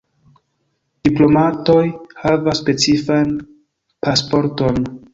Diplomatoj havas specifan pasporton.